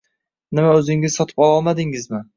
“Nima o‘zingiz sotib ololmadingizmi?